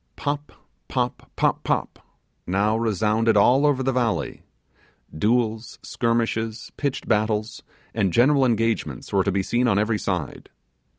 Pop, Pop, Pop, Pop, now resounded all over the valley. Duels, skirmishes, pitched battles, and general engagements were to be seen on every side.